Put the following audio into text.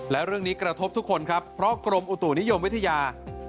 และเรื่องนี้กระทบทุกคนครับเพราะกรมอุตุนิยมวิทยา